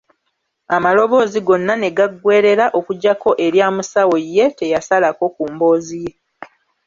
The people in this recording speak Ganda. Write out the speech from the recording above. Amaloboozi gonna ne gaggweerera okuggyako erya Musawo ye teyasalako ku mboozi ye.